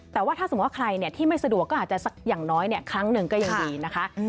แต่ว่าถ้าสมมุติว่าใครที่ไม่สะดวกก็อาจจะสักอย่างน้อยครั้งหนึ่งก็ยังดีนะคะ